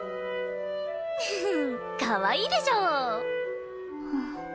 フフフッかわいいでしょ？